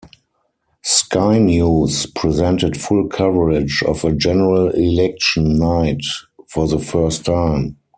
Sky News presented full coverage of a general election night for the first time.